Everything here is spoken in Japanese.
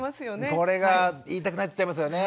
これが言いたくなっちゃいますよね。